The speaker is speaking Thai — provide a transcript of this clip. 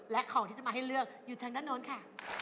และของที่จะมาให้เลือกอยู่ทางด้านโน้นค่ะ